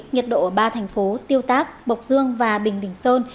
nhiệt độ ở ba thành phố tiêu tác bộc dương và bình đình sơn